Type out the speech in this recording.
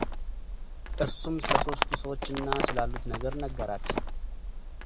እርሱም ስለ ሶስቱ ሰዎችና ስላሉት ነገር ነገራት፡፡